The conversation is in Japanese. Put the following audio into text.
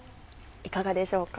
いかがでしょうか？